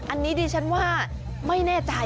อันนี้ดิฉันว่าไม่แน่ใจ